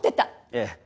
ええ。